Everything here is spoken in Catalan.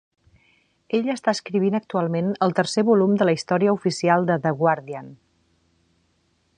Ell està escrivint actualment el tercer volum de la història oficial de "The Guardian".